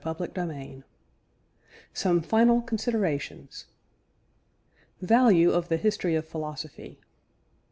CHAPTER XIII SOME FINAL CONSIDERATIONS VALUE OF THE HISTORY OF PHILOSOPHY.